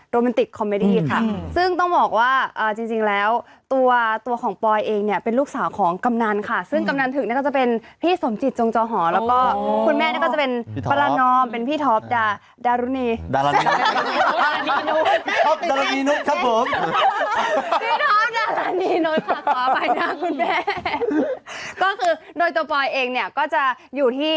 โดมันติกคอมเมดี้ค่ะซึ่งต้องบอกว่าจริงแล้วตัวตัวของปลอยเองเนี่ยเป็นลูกสาวของกำนันค่ะซึ่งกำนันถึกก็จะเป็นพี่สมจิตจงจอหอนแล้วก็คุณแม่ก็จะเป็นพี่ทอพดารุณีนุท